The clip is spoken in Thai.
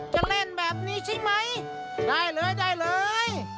จะเล่นแบบนี้ใช่ไหมได้เลยได้เลย